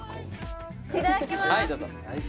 いただきます！